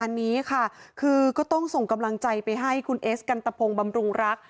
อันนี้ค่ะคือก็ต้องส่งกำลังใจไปให้คุณเอสกันตะพงบำรุงรัก